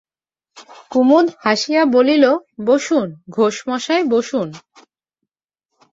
কুমুদ হাসিয়া বলিল, বসুন ঘোষমশায় বসুন।